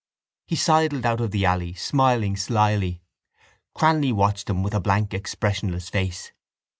He sidled out of the alley, smiling slily. Cranly watched him with a blank expressionless face.